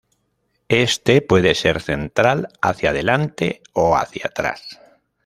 Este puede ser central, hacia delante o hacia atrás.